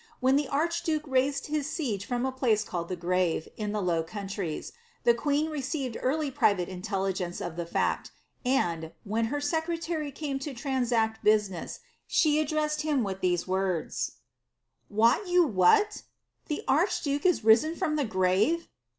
When the arch duke raised his siege from a place called the Grave, in the Low Coun tries, the queen received early private intelligence of the fact, and, when her secretary came to transact business, she addressed him with these words :—^ Wot you what ? The archduke is risen from the grave."